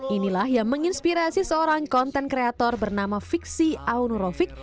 inilah yang menginspirasi seorang konten kreator bernama fiksi aunurofik